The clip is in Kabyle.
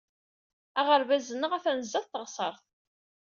Aɣerbaz-nneɣ atan sdat teɣsert.